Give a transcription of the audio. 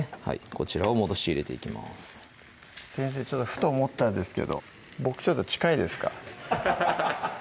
こちらを戻し入れていきます先生ふと思ったんですけど僕ちょっと近いですか？